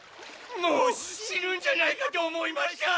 もう死ぬんじゃないかと思いました！